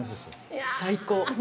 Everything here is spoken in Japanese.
最高！